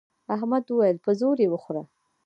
احمد وويل: په زور یې وخوره.